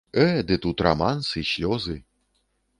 Э, ды тут рамансы, слёзы.